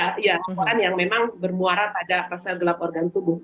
laporan yang memang bermuara pada proses laporan tubuh